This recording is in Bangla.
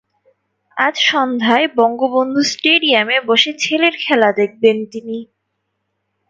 আজ সন্ধ্যায় বঙ্গবন্ধু স্টেডিয়ামে বসে ছেলের খেলা দেখবেন তিনি।